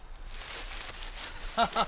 ハハハハ。